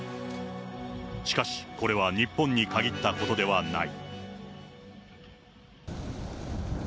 しかし、これは日本に限ったことではない。